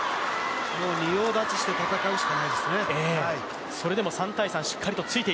もう仁王立ちして戦うしかないですね。